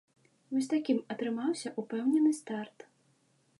Вось такім атрымаўся ўпэўнены старт.